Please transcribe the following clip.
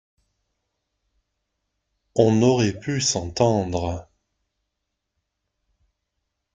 On n’aurait pu s’entendre.